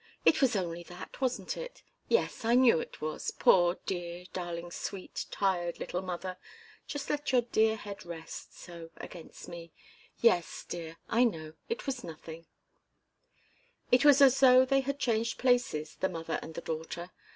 It was only that, wasn't it? Yes I knew it was poor, dear, darling, sweet, tired little mother, just let your dear head rest so, against me yes, dear, I know it was nothing " It was as though they had changed places, the mother and the daughter.